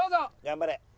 頑張れ。